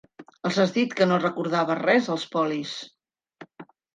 Els has dit que no recordaves res, als polis?